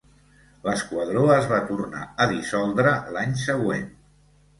L'esquadró es va tornar a dissoldre l'any següent.